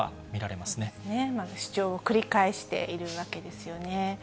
そうですね、主張を繰り返しているわけですよね。